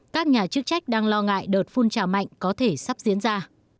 các nhà chức trách đang lo ngại đợt phun trào mạnh có thể sắp diễn ra